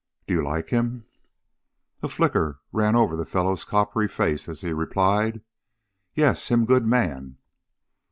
"Do you like him?" A flicker ran over the fellow's coppery face as he replied: "Yes. Him good man."